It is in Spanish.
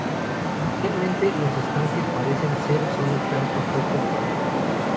Inicialmente, los estanques parecen ser sólo charcos poco profundos.